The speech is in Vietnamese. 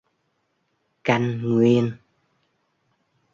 căn nguyên